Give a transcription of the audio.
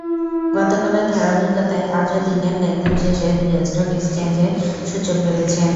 গতকালের ধারাবাহিকতায় আজও দিনের লেনদেন শেষে দুই স্টক এক্সচেঞ্জে সূচক বেড়েছে।